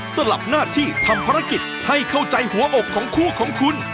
สลับหน้าที่ทำภารกิจให้เข้าใจหัวอกของคู่ของคุณ